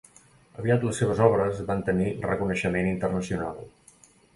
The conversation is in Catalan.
Aviat les seves obres van tenir reconeixement internacional.